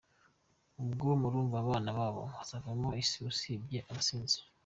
Ubwo murumva abana babo bazavamo iki usibye abasinzi.